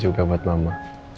juga buat mama